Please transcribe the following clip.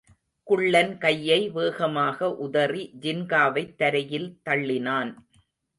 குள்ளன் கையை வேகமாக உதறி ஜின்காவைத் தரையில் தள்ளினான்.